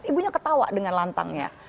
ibunya ketawa dengan lantangnya